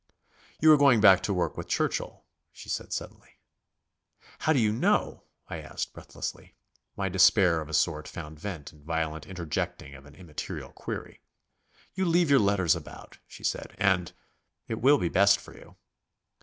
"You are going back to work with Churchill," she said suddenly. "How did you know?" I asked breathlessly. My despair of a sort found vent in violent interjecting of an immaterial query. "You leave your letters about," she said, "and.... It will be best for you."